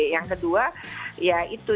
yang kedua ya itu